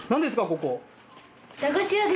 ここ。